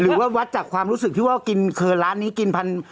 หรือว่าวัดจากความรู้สึกที่ว่ากินเคยร้านนี้กินพัน